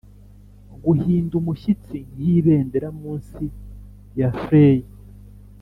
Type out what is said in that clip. guhinda umushyitsi nkibendera munsi ya flail.